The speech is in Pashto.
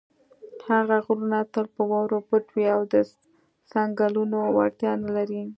هغه غرونه تل په واورو پټ وي او د څنګلونو وړتیا نه لري.